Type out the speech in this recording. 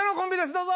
どうぞ！